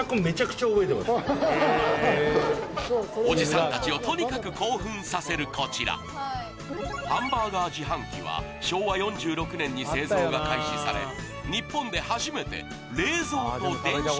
おじさんたちをとにかく興奮させるこちらハンバーガー自販機は昭和４６年に製造が開始され